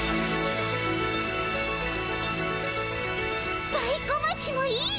スパイ小町もいい！